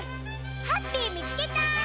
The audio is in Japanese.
ハッピーみつけた！